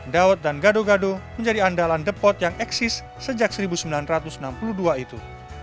daud dan gado gado menjadi andalan depot yang eksis sejak seribu sembilan ratus enam puluh dua itu